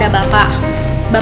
aku bisa mencoba